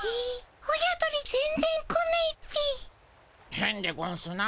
へんでゴンスな。